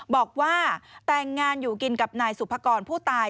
บอกว่าแต่งงานอยู่กินกับนายสุภกรผู้ตาย